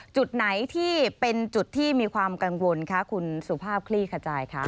จุดไหนที่เป็นจุดที่มีความกังวลคะคุณสุภาพคลี่ขจายค่ะ